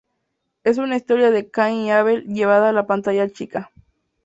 Es una historia de Caín y Abel llevada a la pantalla chica.